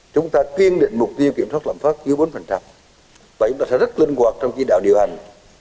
chúng ta quyên định mục tiêu kiểm soát lãm phát cứu bốn và chúng ta sẽ rất linh hoạt trong kỹ đạo điều hành